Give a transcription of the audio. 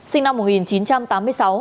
sinh năm một nghìn chín trăm tám mươi sáu